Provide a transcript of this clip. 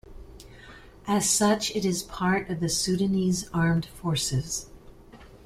As such it is part of the Sudanese Armed Forces.